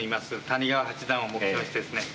谷川八段を目標にですね